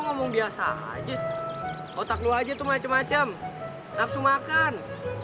ngomong biasa aja otak lu aja tuh macem macem nafsu makan